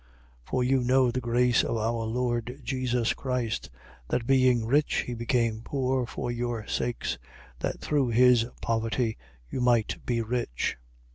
8:9. For you know the grace of our Lord Jesus Christ, that being rich he became poor for your sakes: that through his poverty you might be rich.